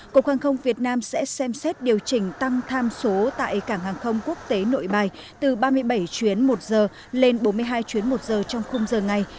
cục hàng không việt nam sẽ xem xét điều chỉnh tăng tham số tại cảng hàng không quốc tế nội bài từ ba mươi bảy chuyến một giờ lên bốn mươi hai chuyến một giờ trong khung giờ ngày